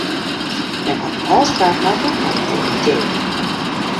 Mem hat in ôfspraak makke mei de direkteur.